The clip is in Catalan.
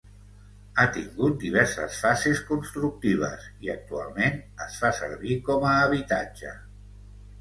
Ha tingut diverses fases constructives i actualment es fa servir com a habitatge.